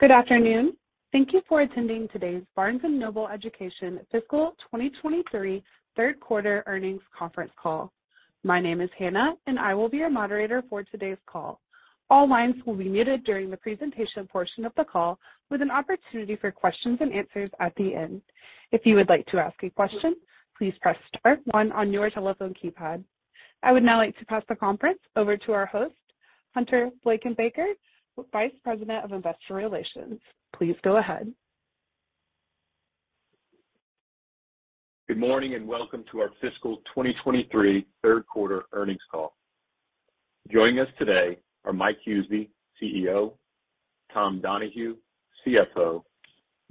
Good afternoon. Thank you for attending today's Barnes & Noble Education Fiscal 2023 third quarter Earnings Conference Call. My name is Hannah, and I will be your moderator for today's call. All lines will be muted during the presentation portion of the call with an opportunity for questions and answers at the end. If you would like to ask a question, please press star one on your telephone keypad. I would now like to pass the conference over to our host, Hunter Blankenbaker, Vice President of Investor Relations. Please go ahead. Good morning, and welcome to our fiscal 2023 third quarter earnings call. Joining us today are Mike Huseby, CEO, Tom Donohue, CFO,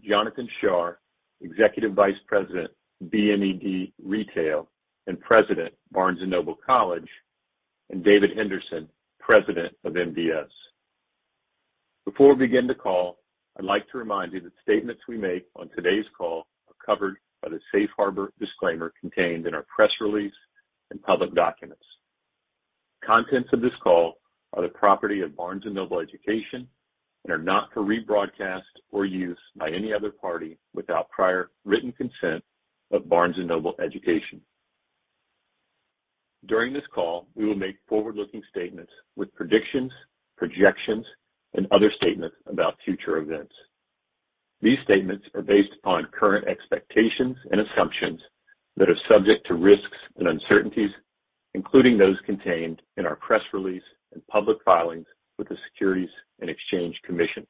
Jonathan Shar, Executive Vice President, BNED Retail and President, Barnes & Noble College, and David Henderson, President of MBS. Before we begin the call, I'd like to remind you that statements we make on today's call are covered by the safe harbor disclaimer contained in our press release and public documents. Contents of this call are the property of Barnes & Noble Education and are not for rebroadcast or use by any other party without prior written consent of Barnes & Noble Education. During this call, we will make forward-looking statements with predictions, projections, and other statements about future events. These statements are based upon current expectations and assumptions that are subject to risks and uncertainties, including those contained in our press release and public filings with the Securities and Exchange Commission.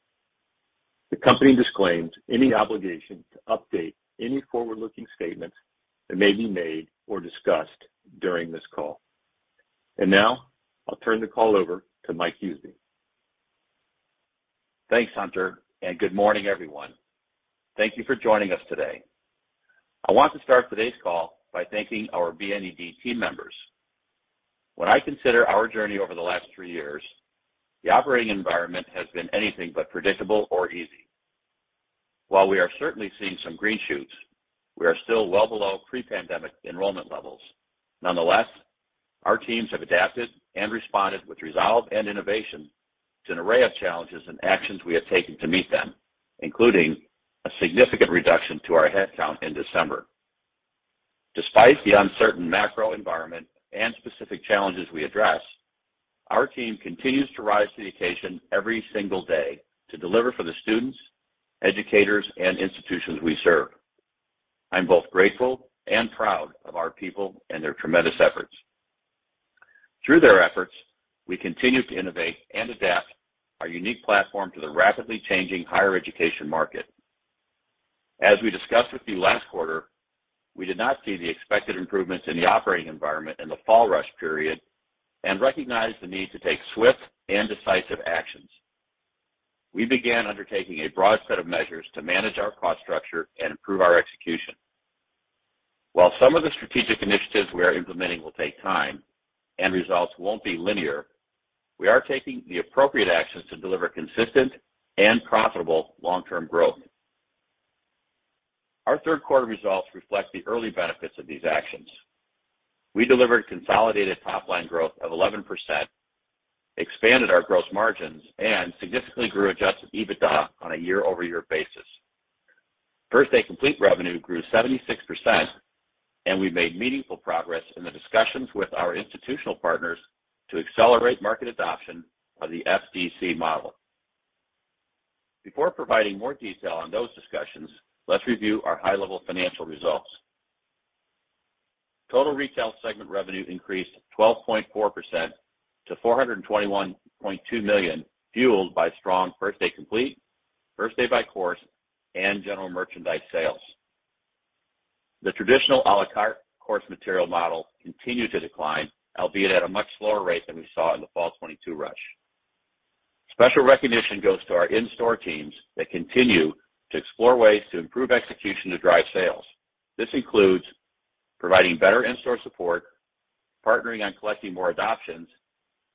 The company disclaims any obligation to update any forward-looking statements that may be made or discussed during this call. Now, I'll turn the call over to Mike Huseby. Thanks, Hunter, and good morning, everyone. Thank you for joining us today. I want to start today's call by thanking our BNED team members. When I consider our journey over the last three years, the operating environment has been anything but predictable or easy. While we are certainly seeing some green shoots, we are still well below pre-pandemic enrollment levels. Nonetheless, our teams have adapted and responded with resolve and innovation to an array of challenges and actions we have taken to meet them, including a significant reduction to our headcount in December. Despite the uncertain macro environment and specific challenges we address, our team continues to rise to the occasion every single day to deliver for the students, educators, and institutions we serve. I'm both grateful and proud of our people and their tremendous efforts. Through their efforts, we continue to innovate and adapt our unique platform to the rapidly changing higher education market. As we discussed with you last quarter, we did not see the expected improvements in the operating environment in the fall rush period and recognized the need to take swift and decisive actions. We began undertaking a broad set of measures to manage our cost structure and improve our execution. While some of the strategic initiatives we are implementing will take time and results won't be linear, we are taking the appropriate actions to deliver consistent and profitable long-term growth. Our third quarter results reflect the early benefits of these actions. We delivered consolidated top line growth of 11%, expanded our gross margins, and significantly grew adjusted EBITDA on a year-over-year basis. First Day Complete revenue grew 76%, and we've made meaningful progress in the discussions with our institutional partners to accelerate market adoption of the FDC model. Before providing more detail on those discussions, let's review our high-level financial results. Total retail segment revenue increased 12.4% to $421.2 million, fueled by strong First Day Complete, First Day by Course, and general merchandise sales. The traditional à la carte course material model continued to decline, albeit at a much slower rate than we saw in the fall 2022 rush. Special recognition goes to our in-store teams that continue to explore ways to improve execution to drive sales. This includes providing better in-store support, partnering on collecting more adoptions,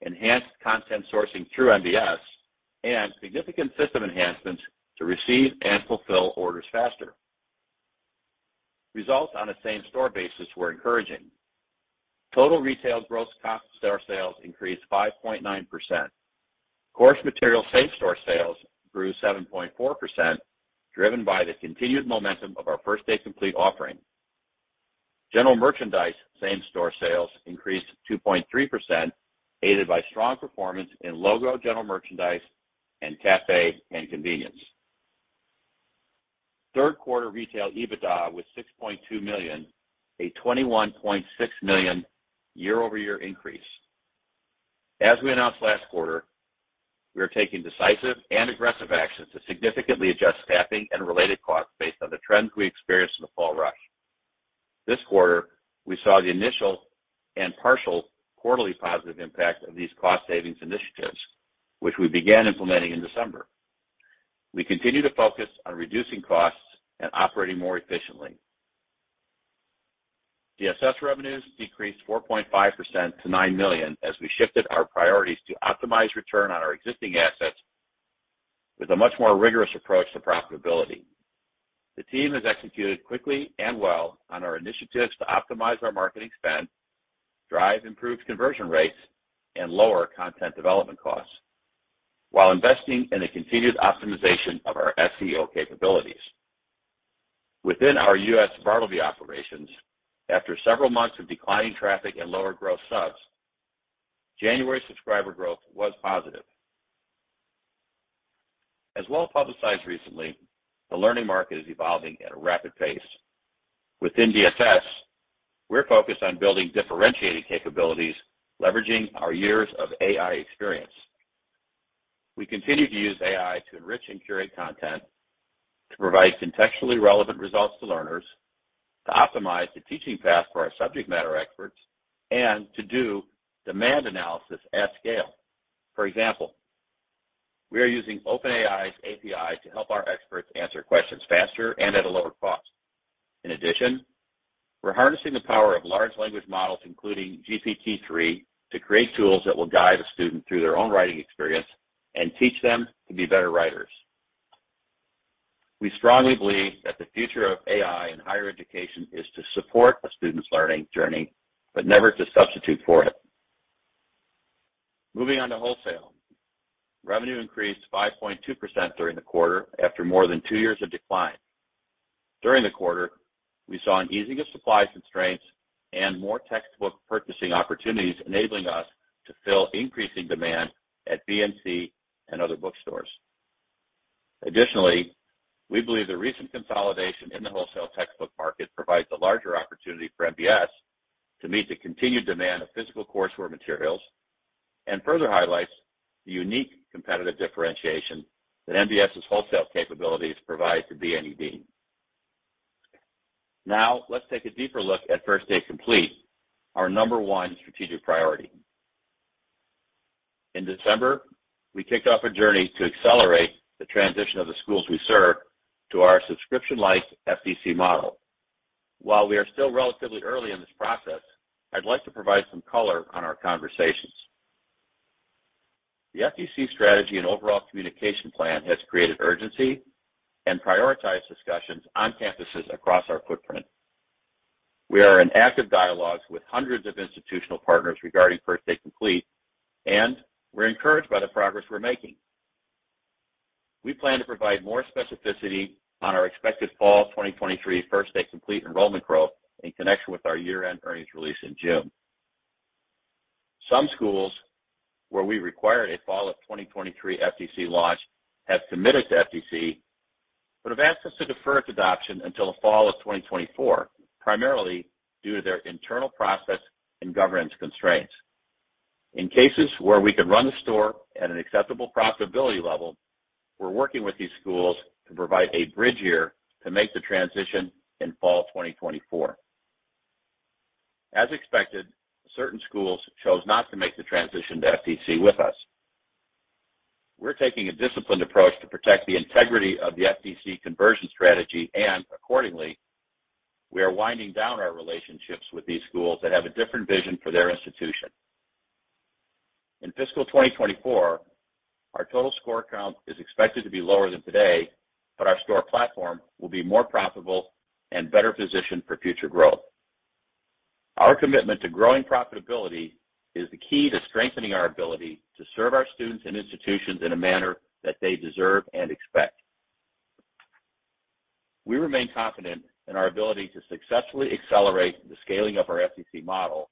enhanced content sourcing through MBS, and significant system enhancements to receive and fulfill orders faster. Results on a same-store basis were encouraging. Total retail gross cost of sales increased 5.9%. Course material same-store sales grew 7.4%, driven by the continued momentum of our First Day Complete offering. General merchandise same-store sales increased 2.3%, aided by strong performance in logo general merchandise and cafe and convenience. Third quarter retail EBITDA was $6.2 million, a $21.6 million year-over-year increase. As we announced last quarter, we are taking decisive and aggressive actions to significantly adjust staffing and related costs based on the trends we experienced in the fall rush. This quarter, we saw the initial and partial quarterly positive impact of these cost savings initiatives, which we began implementing in December. We continue to focus on reducing costs and operating more efficiently. DSS revenues decreased 4.5% to $9 million as we shifted our priorities to optimize return on our existing assets with a much more rigorous approach to profitability. The team has executed quickly and well on our initiatives to optimize our marketing spend, drive improved conversion rates and lower content development costs while investing in the continued optimization of our SEO capabilities. Within our U.S. Bartleby operations, after several months of declining traffic and lower growth subs, January subscriber growth was positive. As well publicized recently, the learning market is evolving at a rapid pace. Within DSS, we're focused on building differentiated capabilities, leveraging our years of AI experience. We continue to use AI to enrich and curate content, to provide contextually relevant results to learners, to optimize the teaching path for our subject matter experts, and to do demand analysis at scale. For example, we are using OpenAI's API to help our experts answer questions faster and at a lower cost. We're harnessing the power of large language models, including GPT-3, to create tools that will guide a student through their own writing experience and teach them to be better writers. We strongly believe that the future of AI in higher education is to support a student's learning journey, but never to substitute for it. Moving on to wholesale. Revenue increased 5.2% during the quarter after more than two years of decline. During the quarter, we saw an easing of supply constraints and more textbook purchasing opportunities, enabling us to fill increasing demand at BNC and other bookstores. Additionally, we believe the recent consolidation in the wholesale textbook market provides a larger opportunity for MBS to meet the continued demand of physical coursework materials and further highlights the unique competitive differentiation that MBS's wholesale capabilities provide to BNED. Now let's take a deeper look at First Day Complete, our number one strategic priority. In December, we kicked off a journey to accelerate the transition of the schools we serve to our subscription-like FDC model. While we are still relatively early in this process, I'd like to provide some color on our conversations. The FDC strategy and overall communication plan has created urgency and prioritized discussions on campuses across our footprint. We are in active dialogues with hundreds of institutional partners regarding First Day Complete, and we're encouraged by the progress we're making. We plan to provide more specificity on our expected fall 2023 First Day Complete enrollment growth in connection with our year-end earnings release in June. Some schools where we require a fall of 2023 FDC launch have committed to FDC but have asked us to defer its adoption until the fall of 2024, primarily due to their internal process and governance constraints. In cases where we could run the store at an acceptable profitability level, we're working with these schools to provide a bridge year to make the transition in fall 2024. As expected, certain schools chose not to make the transition to FDC with us. We're taking a disciplined approach to protect the integrity of the FDC conversion strategy, and accordingly, we are winding down our relationships with these schools that have a different vision for their institution. In fiscal 2024, our total store count is expected to be lower than today, but our store platform will be more profitable and better positioned for future growth. Our commitment to growing profitability is the key to strengthening our ability to serve our students and institutions in a manner that they deserve and expect. We remain confident in our ability to successfully accelerate the scaling of our FDC model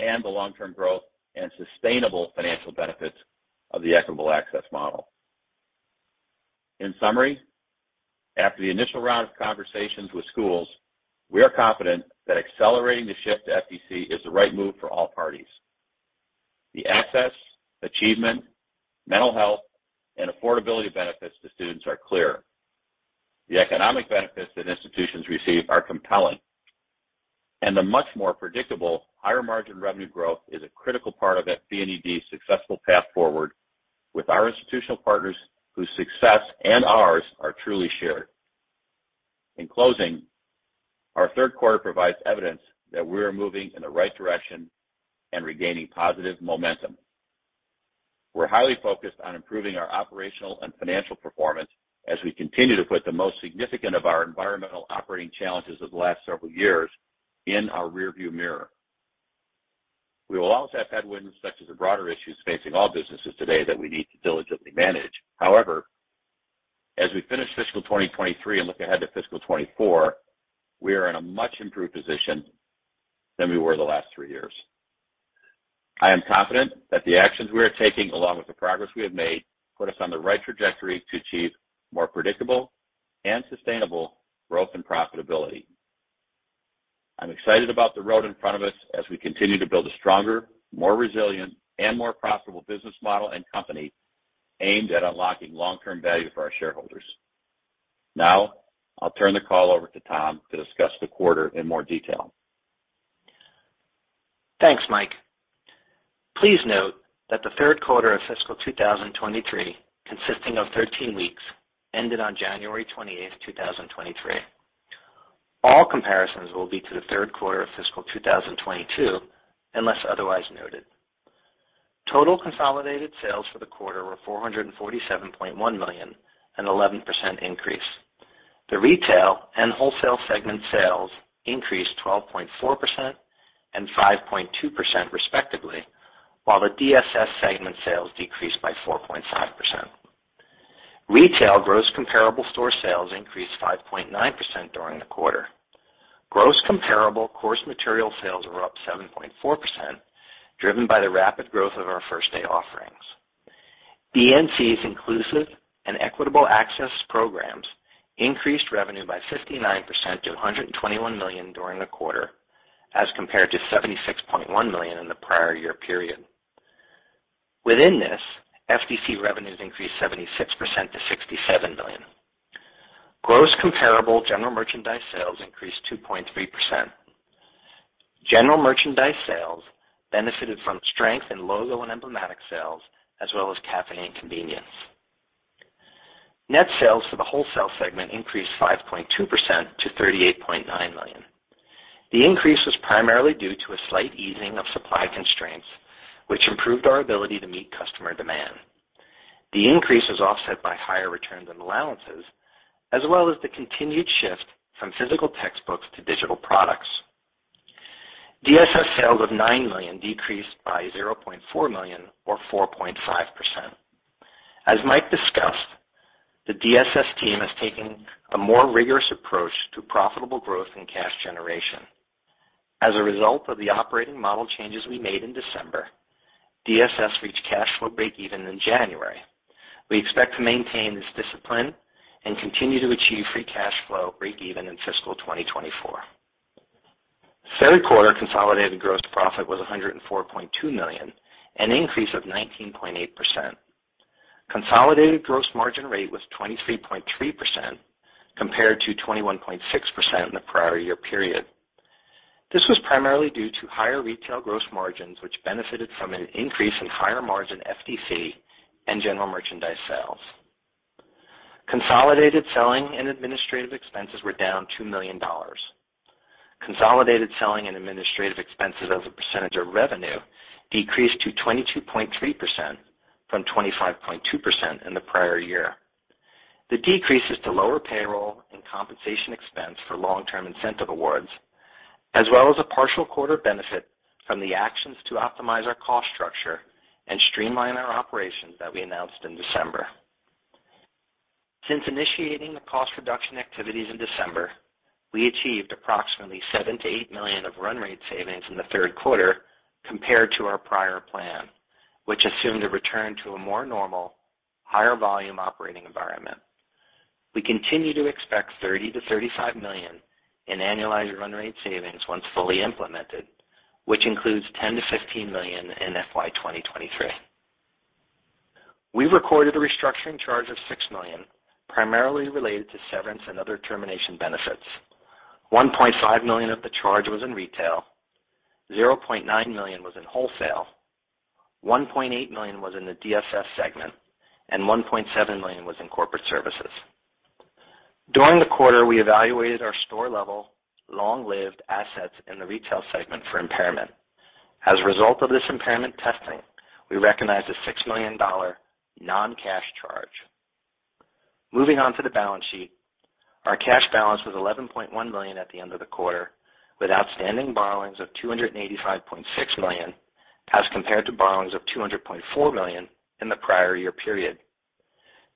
and the long-term growth and sustainable financial benefits of the equitable access model. In summary, after the initial round of conversations with schools, we are confident that accelerating the shift to FDC is the right move for all parties. The access, achievement, mental health, and affordability benefits to students are clear. The economic benefits that institutions receive are compelling, and the much more predictable higher-margin revenue growth is a critical part of BNED's successful path forward with our institutional partners, whose success and ours are truly shared. In closing, our third quarter provides evidence that we are moving in the right direction and regaining positive momentum. We're highly focused on improving our operational and financial performance as we continue to put the most significant of our environmental operating challenges of the last several years in our rearview mirror. We will always have headwinds such as the broader issues facing all businesses today that we need to diligently manage. However, as we finish fiscal 2023 and look ahead to fiscal 2024, we are in a much improved position than we were the last three years. I am confident that the actions we are taking, along with the progress we have made, put us on the right trajectory to achieve more predictable and sustainable growth and profitability. I'm excited about the road in front of us as we continue to build a stronger, more resilient, and more profitable business model and company aimed at unlocking long-term value for our shareholders. I'll turn the call over to Tom to discuss the quarter in more detail. Thanks, Mike. Please note that the third quarter of fiscal 2023, consisting of 13 weeks, ended on January 28th, 2023. All comparisons will be to the third quarter of fiscal 2022, unless otherwise noted. Total consolidated sales for the quarter were $447.1 million, an 11% increase. The Retail and Wholesale segment sales increased 12.4% and 5.2% respectively, while the DSS segment sales decreased by 4.5%. Retail gross comparable store sales increased 5.9% during the quarter. Gross comparable course material sales were up 7.4%, driven by the rapid growth of our First Day offerings. BNC's inclusive and equitable access programs increased revenue by 59% to $121 million during the quarter, as compared to $76.1 million in the prior year period. Within this, FDC revenues increased 76% to $67 million. Gross comparable general merchandise sales increased 2.3%. General merchandise sales benefited from strength in logo and emblematic sales as well as cafe and convenience. Net sales for the wholesale segment increased 5.2% to $38.9 million. The increase was primarily due to a slight easing of supply constraints, which improved our ability to meet customer demand. The increase was offset by higher returns and allowances, as well as the continued shift from physical textbooks to digital products. DSS sales of $9 million decreased by $0.4 million or 4.5%. As Mike discussed, the DSS team has taken a more rigorous approach to profitable growth and cash generation. As a result of the operating model changes we made in December, DSS reached cash flow breakeven in January. We expect to maintain this discipline and continue to achieve free cash flow breakeven in fiscal 2024. Third quarter consolidated gross profit was $104.2 million, an increase of 19.8%. Consolidated gross margin rate was 23.3% compared to 21.6% in the prior year period. This was primarily due to higher retail gross margins, which benefited from an increase in higher margin FDC and general merchandise sales. Consolidated selling and administrative expenses were down $2 million. Consolidated selling and administrative expenses as a percentage of revenue decreased to 22.3% from 25.2% in the prior year. The decrease is to lower payroll and compensation expense for long-term incentive awards, as well as a partial quarter benefit from the actions to optimize our cost structure and streamline our operations that we announced in December. Since initiating the cost reduction activities in December, we achieved approximately $7 million-$8 million of run rate savings in the third quarter compared to our prior plan, which assumed a return to a more normal, higher volume operating environment. We continue to expect $30 million-$35 million in annualized run rate savings once fully implemented, which includes $10 million-$15 million in FY 2023. We recorded a restructuring charge of $6 million, primarily related to severance and other termination benefits. $1.5 million of the charge was in retail, $0.9 million was in wholesale, $1.8 million was in the DSS segment, and $1.7 million was in corporate services. During the quarter, we evaluated our store-level long-lived assets in the retail segment for impairment. As a result of this impairment testing, we recognized a $6 million non-cash charge. Moving on to the balance sheet. Our cash balance was $11.1 million at the end of the quarter, with outstanding borrowings of $285.6 million, as compared to borrowings of $200.4 million in the prior year period.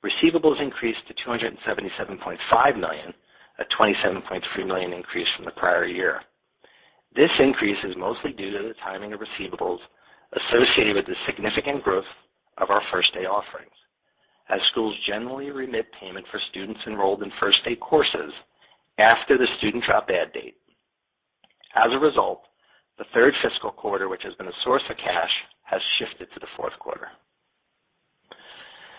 Receivables increased to $277.5 million, a $27.3 million increase from the prior year. This increase is mostly due to the timing of receivables associated with the significant growth of our First Day offerings, as schools generally remit payment for students enrolled in First Day courses after the student drop/add date. As a result, the third fiscal quarter, which has been a source of cash, has shifted to the fourth quarter.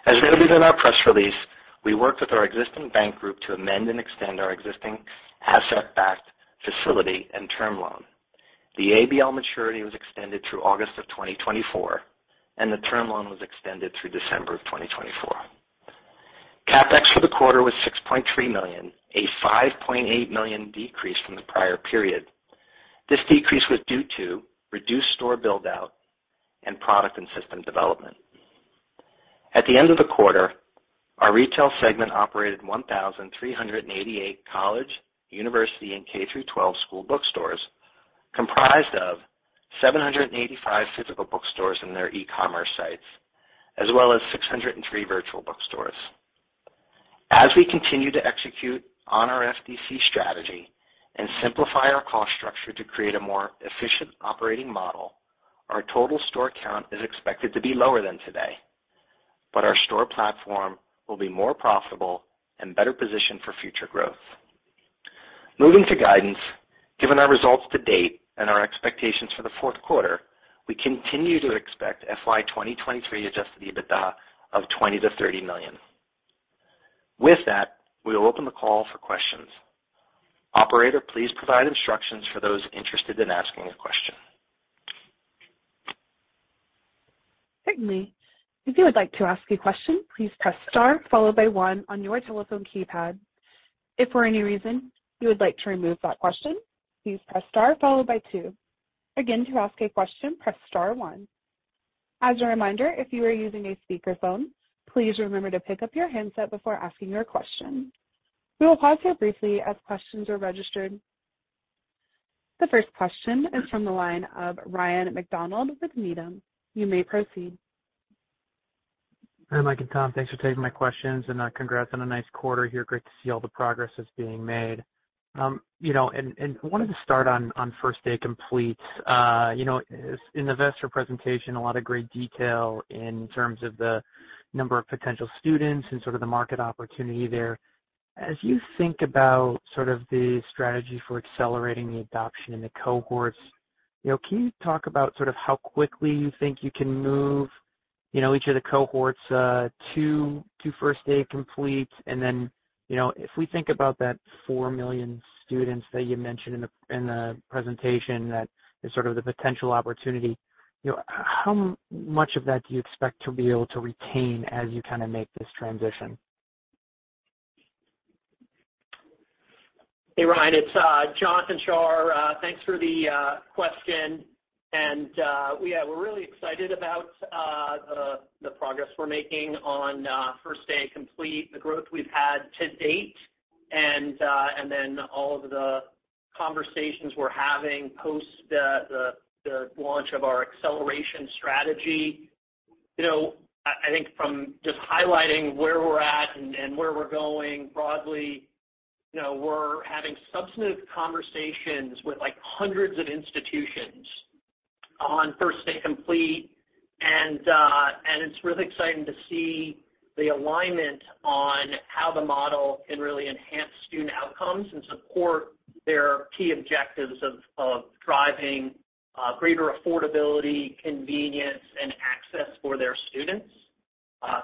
As noted in our press release, we worked with our existing bank group to amend and extend our existing asset-backed facility and term loan. The ABL maturity was extended through August of 2024. The term loan was extended through December of 2024. CapEx for the quarter was $6.3 million, a $5.8 million decrease from the prior period. This decrease was due to reduced store build-out and product and system development. At the end of the quarter, our retail segment operated 1,388 college, university, and K-12 school bookstores, comprised of 785 physical bookstores and their e-commerce sites, as well as 603 virtual bookstores. As we continue to execute on our FDC strategy and simplify our cost structure to create a more efficient operating model, our total store count is expected to be lower than today, but our store platform will be more profitable and better positioned for future growth. Moving to guidance. Given our results to date and our expectations for the fourth quarter, we continue to expect FY 2023 adjusted EBITDA of $20 million-$30 million. With that, we will open the call for questions. Operator, please provide instructions for those interested in asking a question. Certainly. If you would like to ask a question, please press star followed by one on your telephone keypad. If for any reason you would like to remove that question, please press star followed by two. Again, to ask a question, press star one. As a reminder, if you are using a speakerphone, please remember to pick up your handset before asking your question. We will pause here briefly as questions are registered. The first question is from the line of Ryan MacDonald with Needham. You may proceed. Hi, Mike and Tom. Thanks for taking my questions and congrats on a nice quarter here. Great to see all the progress that's being made. You know, wanted to start on First Day Complete. You know, in the investor presentation, a lot of great detail in terms of the number of potential students and sort of the market opportunity there. As you think about sort of the strategy for accelerating the adoption in the cohorts, you know, can you talk about sort of how quickly you think you can move, you know, each of the cohorts to First Day Complete? Then, you know, if we think about that four million students that you mentioned in the, in the presentation, that is sort of the potential opportunity, you know, how much of that do you expect to be able to retain as you kinda make this transition? Hey, Ryan, it's Jonathan Shar. Thanks for the question. We're really excited about the progress we're making on First Day Complete, the growth we've had to date, and then all of the conversations we're having post the launch of our acceleration strategy. You know, I think from just highlighting where we're at and where we're going broadly, you know, we're having substantive conversations with, like, hundreds of institutions on First Day Complete. It's really exciting to see the alignment on how the model can really enhance student outcomes and support their key objectives of driving greater affordability, convenience, and access for their students.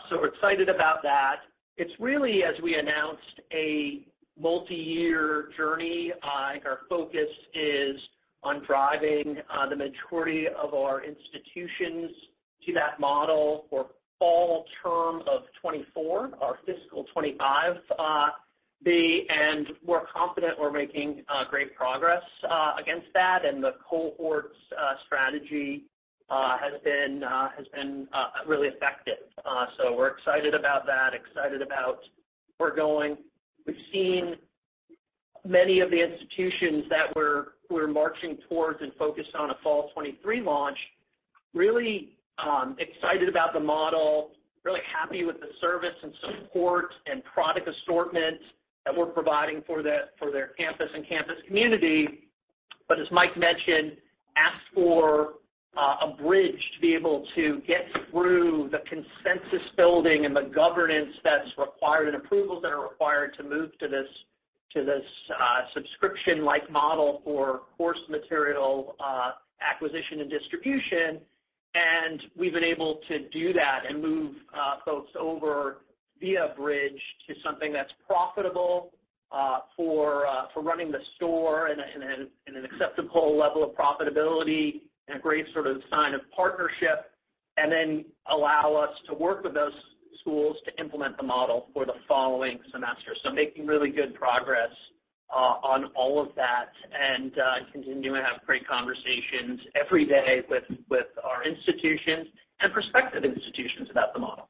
We're excited about that. It's really, as we announced, a multiyear journey. Our focus is on driving the majority of our institutions to that model for fall term of 2024 or fiscal 2025. We're confident we're making great progress against that, and the cohorts strategy has been really effective. We're excited about that, excited about where we're going. We've seen many of the institutions that we're marching towards and focused on a fall 2023 launch, really excited about the model, really happy with the service and support and product assortment that we're providing for their campus and campus community. As Mike mentioned, asked for a bridge to be able to get through the consensus building and the governance that's required and approvals that are required to move to this subscription-like model for course material acquisition and distribution. We've been able to do that and move folks over via bridge to something that's profitable, for running the store in an acceptable level of profitability and a great sort of sign of partnership, and then allow us to work with those schools to implement the model for the following semester. Making really good progress, on all of that and, continue to have great conversations every day with our institutions and prospective institutions about the model.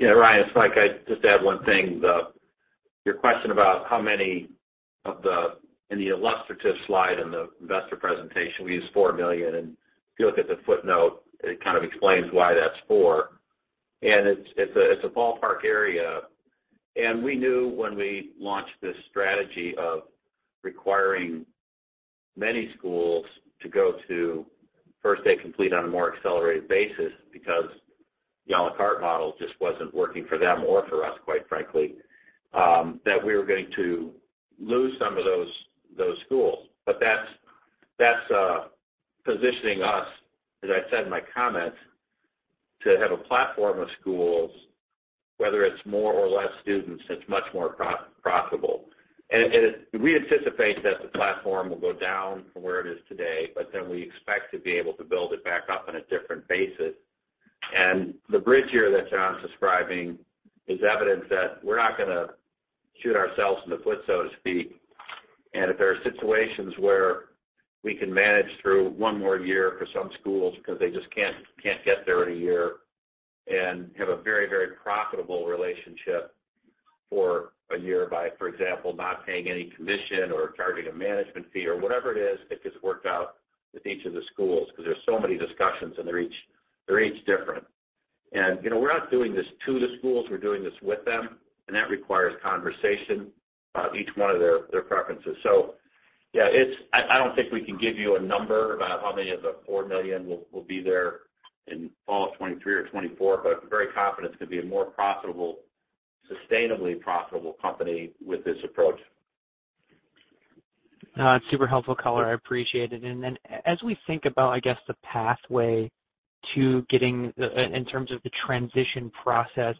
Ryan, it's Mike. I'd just add one thing. Your question about how many in the illustrative slide in the investor presentation, we use four million. If you look at the footnote, it kind of explains why that's four. It's a ballpark area. We knew when we launched this strategy of requiring many schools to go to First Day Complete on a more accelerated basis because the à la carte model just wasn't working for them or for us, quite frankly, that we were going to lose some of those schools. That's positioning us, as I said in my comments, to have a platform of schools, whether it's more or less students, that's much more profitable. We anticipate that the platform will go down from where it is today, but then we expect to be able to build it back up on a different basis. The bridge here that John's describing is evidence that we're not gonna shoot ourselves in the foot, so to speak. If there are situations where we can manage through one more year for some schools because they just can't get there in a year and have a very profitable relationship for a year by, for example, not paying any commission or charging a management fee or whatever it is that gets worked out with each of the schools because there's so many discussions and they're each different. You know, we're not doing this to the schools, we're doing this with them, and that requires conversation, each one of their preferences. Yeah, I don't think we can give you a number about how many of the four million will be there in fall of 2023 or 2024, but very confident it's gonna be a more profitable, sustainably profitable company with this approach. Super helpful color. I appreciate it. As we think about, I guess, the pathway to getting the in terms of the transition process,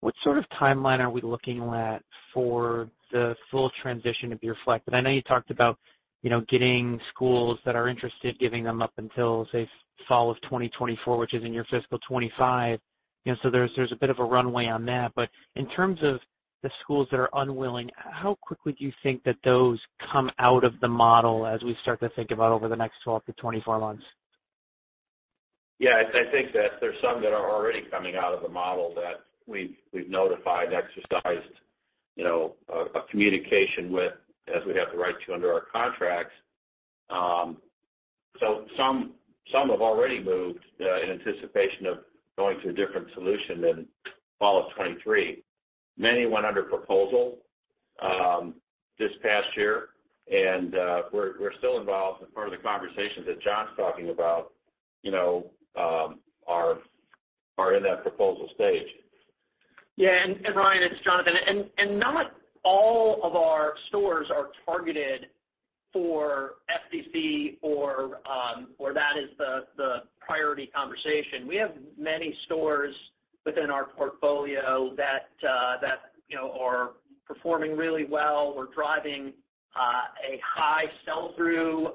what sort of timeline are we looking at for the full transition to be reflected? I know you talked about, you know, getting schools that are interested, giving them up until, say, fall of 2024, which is in your fiscal 2025. There's a bit of a runway on that. In terms of the schools that are unwilling, how quickly do you think that those come out of the model as we start to think about over the next 12 to 24 months? I think that there's some that are already coming out of the model that we've notified, exercised, you know, communication with as we have the right to under our contracts. Some have already moved in anticipation of going to a different solution than fall of 2023. Many went under proposal this past year, and we're still involved in part of the conversations that John's talking about, you know, are in that proposal stage. Yeah. Ryan, it's Jonathan. Not all of our stores are targeted for FDC or that is the priority conversation. We have many stores within our portfolio that, you know, are performing really well. We're driving a high sell-through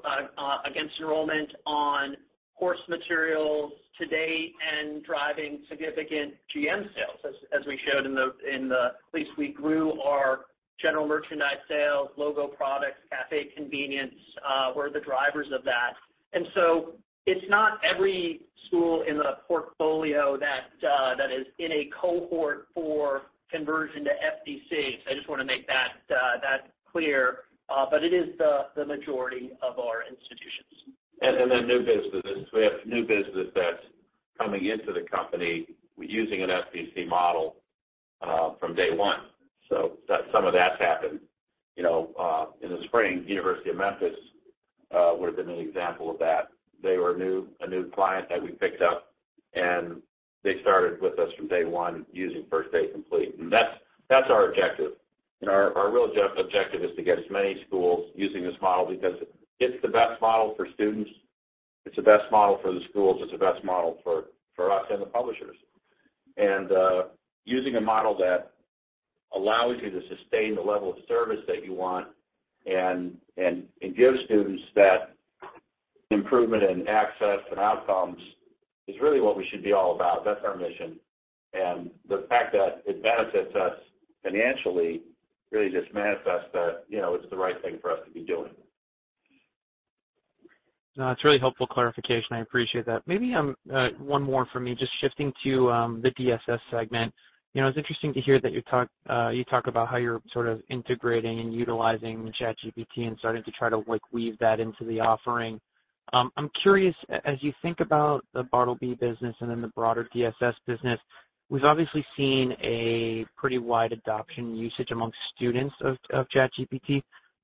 against enrollment on course materials to date and driving significant GM sales, as we showed in the place we grew our general merchandise sales, logo products, cafe convenience were the drivers of that. It's not every school in the portfolio that is in a cohort for conversion to FDC. I just wanna make that clear. It is the majority of our institutions. Then new businesses. We have new business that's coming into the company using an FDC model from day one. Some of that's happened. You know, in the spring, University of Memphis would have been an example of that. They were a new client that we picked up, and they started with us from day one using First Day Complete. That's our objective. You know, our real objective is to get as many schools using this model because it's the best model for students, it's the best model for the schools, it's the best model for us and the publishers. Using a model that allows you to sustain the level of service that you want and give students that improvement in access and outcomes is really what we should be all about. That's our mission. The fact that it benefits us financially really just manifests that, you know, it's the right thing for us to be doing. No, it's really helpful clarification. I appreciate that. Maybe one more for me, just shifting to the DSS segment. You know, it's interesting to hear that you talk about how you're sort of integrating and utilizing ChatGPT and starting to try to, like, weave that into the offering. I'm curious, as you think about the Bartleby business and then the broader DSS business, we've obviously seen a pretty wide adoption usage among students of ChatGPT.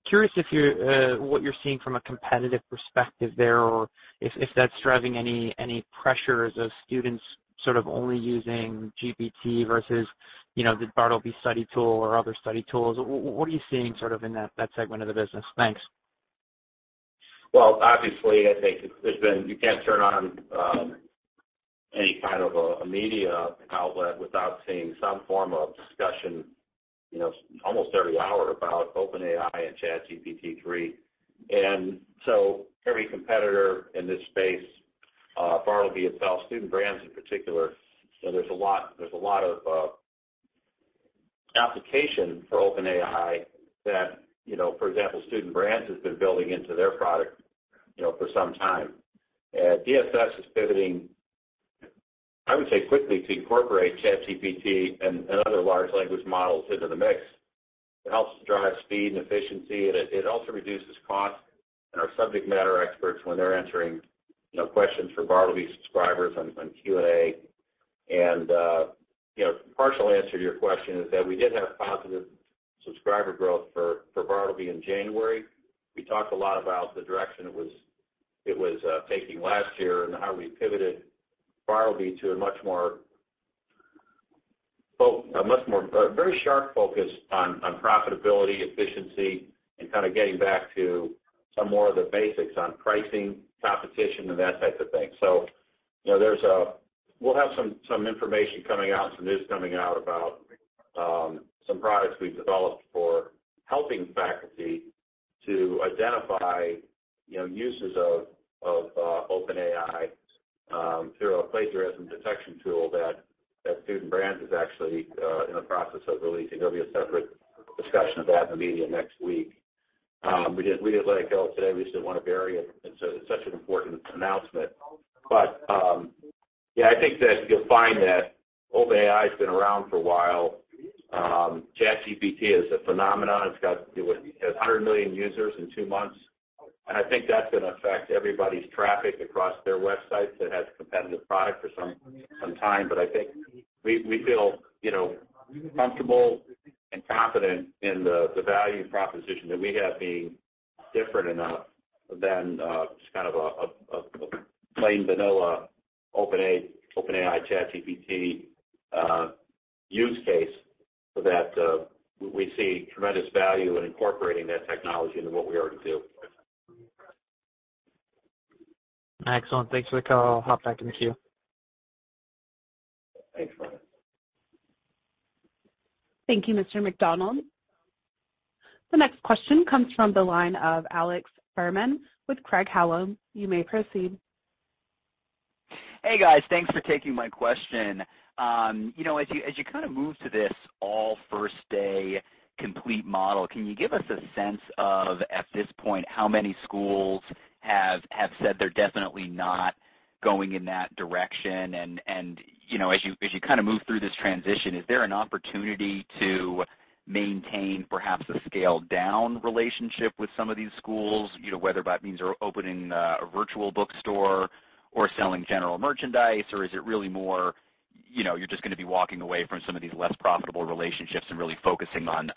Curious if you're what you're seeing from a competitive perspective there or if that's driving any pressures of students sort of only using GPT versus, you know, the Bartleby study tool or other study tools. What are you seeing sort of in that segment of the business? Thanks. Well, obviously, I think there's been you can't turn on any kind of a media outlet without seeing some form of discussion, you know, almost every hour about OpenAI and ChatGPT 3. Every competitor in this space, Bartleby itself, Student Brands in particular, so there's a lot of application for OpenAI that, you know, for example, Student Brands has been building into their product, you know, for some time. DSS is pivoting, I would say, quickly to incorporate ChatGPT and other large language models into the mix. It helps to drive speed and efficiency. It also reduces costs and our subject matter experts when they're entering, you know, questions for Bartleby subscribers on Q&A. Partial answer to your question is that we did have positive subscriber growth for Bartleby in January. We talked a lot about the direction it was taking last year and how we pivoted Bartleby to a much more very sharp focus on profitability, efficiency, and kinda getting back to some more of the basics on pricing, competition, and that type of thing. You know, we'll have some information coming out, some news coming out about some products we've developed for helping faculty to identify, you know, uses of OpenAI through a plagiarism detection tool that Student Brands is actually in the process of releasing. There'll be a separate discussion of that in the media next week. We didn't wanna tell it today. We just didn't wanna bury it. It's such an important announcement. Yeah, I think that you'll find that OpenAI's been around for a while. ChatGPT is a phenomenon. It's got, what, 100 million users in two months. I think that's gonna affect everybody's traffic across their websites that has a competitive product for some time. I think we feel, you know, comfortable and confident in the value proposition that we have being different enough than just kind of a plain vanilla OpenAI ChatGPT use case so that we see tremendous value in incorporating that technology into what we already do. Excellent. Thanks, Mike. I'll hop back in the queue. Thanks, Ryan. Thank you, Mr. MacDonald. The next question comes from the line of Alex Fuhrman with Craig-Hallum. You may proceed. Hey, guys. Thanks for taking my question. You know, as you kind of move to this all First Day Complete model, can you give us a sense of, at this point, how many schools have said they're definitely not going in that direction? You know, as you kind of move through this transition, is there an opportunity to maintain perhaps a scaled-down relationship with some of these schools, you know, whether that means opening a virtual bookstore or selling general merchandise, or is it really more, you know, you're just gonna be walking away from some of these less profitable relationships and really focusing on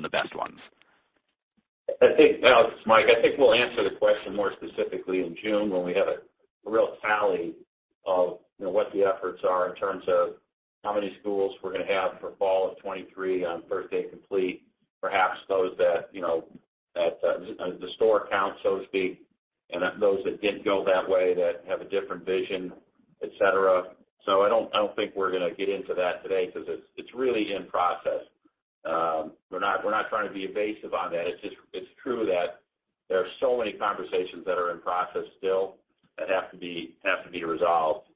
the best ones? I think, Alex, Mike, I think we'll answer the question more specifically in June when we have a real tally of, you know, what the efforts are in terms of how many schools we're gonna have for fall of 2023 on First Day Complete. Perhaps those that, you know, that, the store count, so to speak, and those that didn't go that way that have a different vision, et cetera. I don't think we're gonna get into that today because it's really in process. We're not trying to be evasive on that. It's just, it's true that there are so many conversations that are in process still that have to be resolved.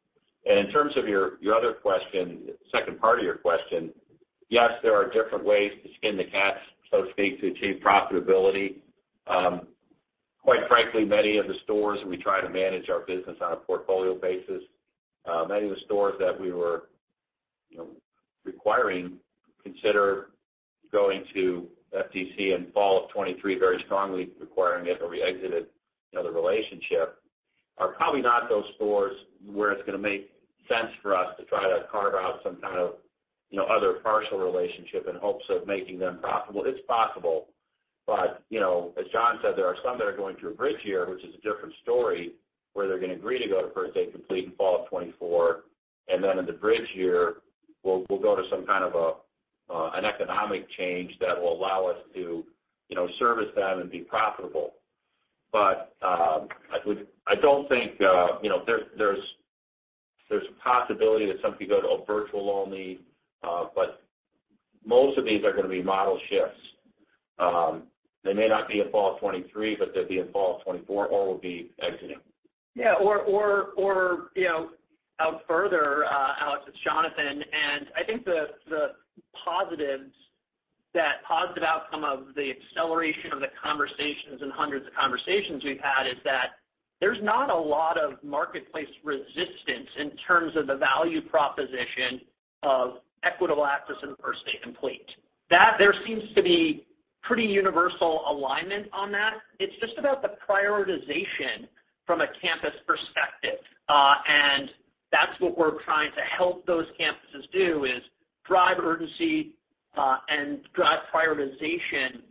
In terms of your other question, second part of your question, yes, there are different ways to skin the cat, so to speak, to achieve profitability. Quite frankly, many of the stores, and we try to manage our business on a portfolio basis, many of the stores that we were, you know, requiring consider going to FDC in fall of 2023 very strongly requiring it or we exited the relationship are probably not those stores where it's gonna make sense for us to try to carve out some kind of, you know, other partial relationship in hopes of making them profitable. It's possible, but you know, as John said, there are some that are going through a bridge year, which is a different story, where they're gonna agree to go to First Day Complete in fall of 2024. In the bridge year, we'll go to some kind of an economic change that will allow us to, you know, service them and be profitable. I don't think, you know, there's a possibility that some could go to a virtual-only, but most of these are gonna be model shifts. They may not be in fall of 2023, but they'll be in fall of 2024, or we'll be exiting. Yeah, or, you know, out further, Alex, it's Jonathan. I think the positives that positive outcome of the acceleration of the conversations and hundreds of conversations we've had is that there's not a lot of marketplace resistance in terms of the value proposition of equitable access in First Day Complete. There seems to be pretty universal alignment on that. It's just about the prioritization from a campus perspective. That's what we're trying to help those campuses do is drive urgency and drive prioritization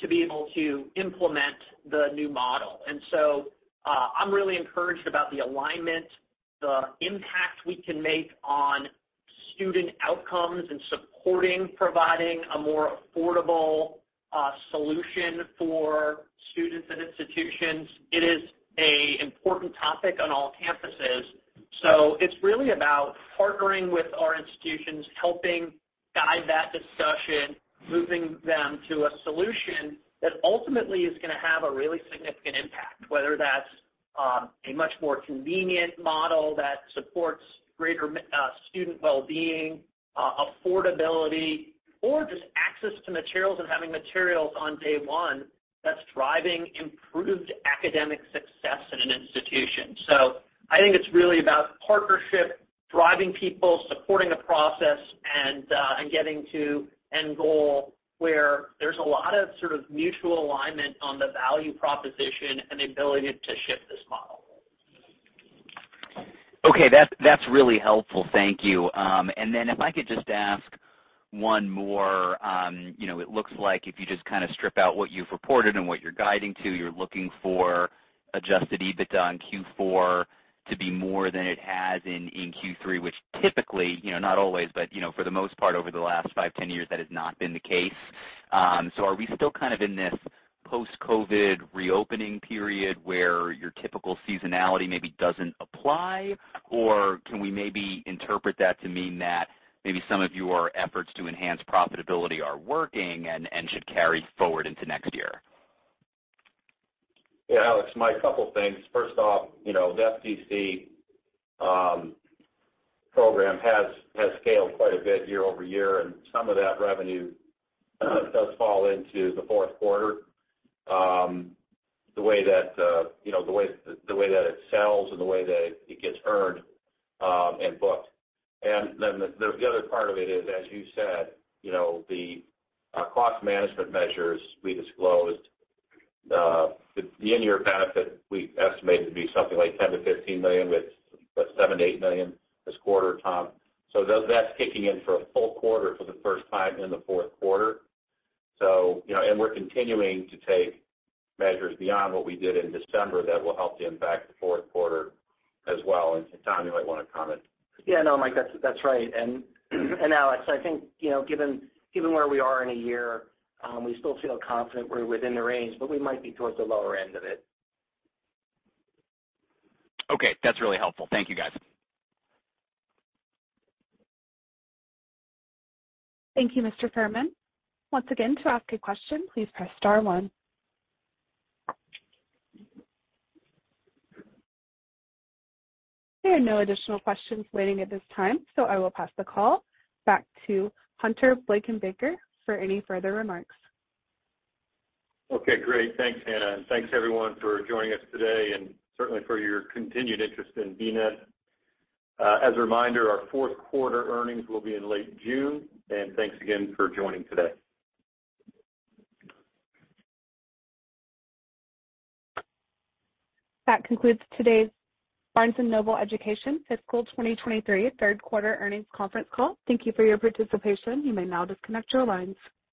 to be able to implement the new model. So, I'm really encouraged about the alignment, the impact we can make on student outcomes and supporting providing a more affordable solution for students and institutions. It is a important topic on all campuses. It's really about partnering with our institutions, helping guide that discussion, moving them to a solution that ultimately is gonna have a really significant impact, whether that's, a much more convenient model that supports greater student well-being, affordability, or just access to materials and having materials on day one that's driving improved academic success at an institution. I think it's really about partnership, driving people, supporting the process and getting to end goal where there's a lot of sort of mutual alignment on the value proposition and ability to shift this model. Okay. That's really helpful. Thank you. Then if I could just ask one more. You know, it looks like if you just kinda strip out what you've reported and what you're guiding to, you're looking for Adjusted EBITDA in Q4 to be more than it has in Q3, which typically, you know, not always, but, you know, for the most part over the last five, 10 years, that has not been the case. Are we still kind of in this post-COVID reopening period where your typical seasonality maybe doesn't apply? Or can we maybe interpret that to mean that maybe some of your efforts to enhance profitability are working and should carry forward into next year? Yeah, Alex, Mike, couple things. First off, you know, the FDC program has scaled quite a bit year-over-year, and some of that revenue does fall into the fourth quarter, the way that, you know, the way that it sells and the way that it gets earned and booked. Then the other part of it is, as you said, you know, the cost management measures we disclosed, the in-year benefit we estimated to be something like $10 million-$15 million, with about $7 million-$8 million this quarter, Tom. That's kicking in for a full quarter for the first time in the fourth quarter. You know, we're continuing to take measures beyond what we did in December that will help the impact the fourth quarter as well. Tom, you might wanna comment. Yeah. No, Mike, that's right. Alex, I think, you know, given where we are in a year, we still feel confident we're within the range, but we might be towards the lower end of it. Okay. That's really helpful. Thank you, guys. Thank you, Mr. Fuhrman. Once again, to ask a question, please press star one. There are no additional questions waiting at this time, I will pass the call back to Hunter Blankenbaker for any further remarks. Okay, great. Thanks, Hannah, and thanks, everyone, for joining us today and certainly for your continued interest in BNED. As a reminder, our fourth quarter earnings will be in late June. Thanks again for joining today. That concludes today's Barnes & Noble Education Fiscal 2023 Third Quarter Earnings Conference Call. Thank you for your participation. You may now disconnect your lines.